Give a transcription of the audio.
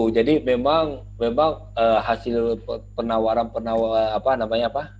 memang hasil penawaran penawaran apa namanya apa